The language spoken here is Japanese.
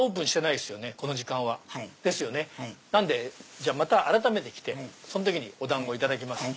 じゃあまた改めて来てその時にお団子頂きます。